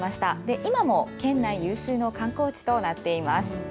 今も県内有数の観光地となっています。